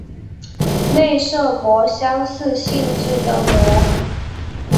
内射模相似性质的模。